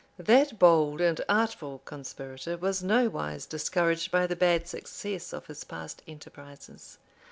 } That bold and artful conspirator was nowise discouraged by the bad success of his past enterprises.